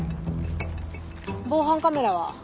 防犯カメラは？